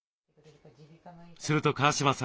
すると川嶋さん